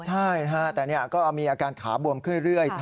ใช่แต่ก็มีอาการขาบวมขึ้นเรื่อย